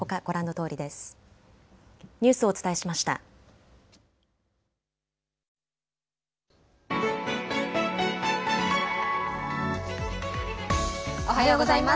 おはようございます。